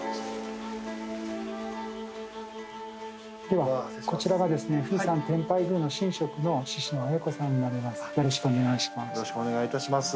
ではこちらがですね冨士山天拝宮の神職の宍野綾子さんになります。